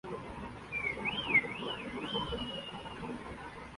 Hasan Nasir British ভারতের দক্ষিণ হায়দ্রাবাদে অভিজাত মুসলিম পরিবারে জন্মগ্রহণ করেন।